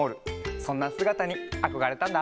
そんなすがたにあこがれたんだ。